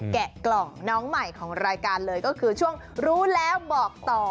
แกะกล่องน้องใหม่ของรายการเลยก็คือช่วงรู้แล้วบอกต่อ